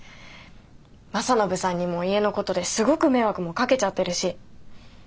政伸さんにも家のことですごく迷惑もかけちゃってるし。